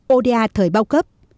ô đa thời bao cấp